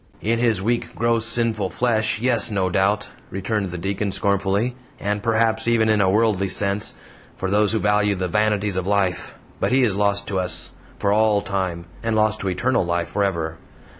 "In his weak, gross, sinful flesh yes, no doubt," returned the Deacon, scornfully, "and, perhaps, even in a worldly sense, for those who value the vanities of life; but he is lost to us, for all time, and lost to eternal life forever.